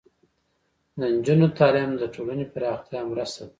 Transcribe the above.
د نجونو تعلیم د ټولنې پراختیا مرسته ده.